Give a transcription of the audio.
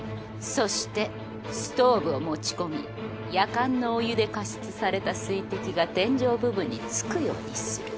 そしてストーブを持ち込みやかんのお湯で加湿された水滴が天井部分に付くようにする。